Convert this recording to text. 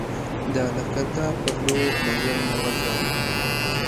د لښکرګاه پر لور مزل وغځاوه.